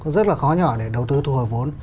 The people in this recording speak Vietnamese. rất là khó nhỏ để đầu tư thu hồi vốn